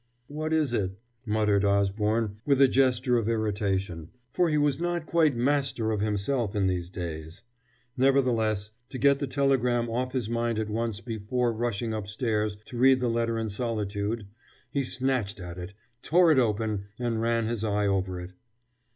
"What is it?" muttered Osborne with a gesture of irritation, for he was not quite master of himself in these days. Nevertheless, to get the telegram off his mind at once before rushing upstairs to read the letter in solitude, he snatched at it, tore it open, and ran his eye over it.